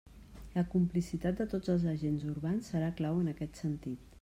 La complicitat de tots els agents urbans serà clau en aquest sentit.